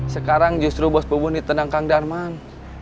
sekarang justru bos bubun ditendang kang darman